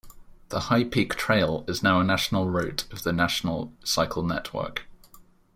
The High Peak Trail is now a national route of the National Cycle Network.